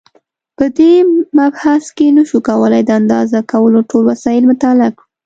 په دې مبحث کې نشو کولای د اندازه کولو ټول وسایل مطالعه کړو.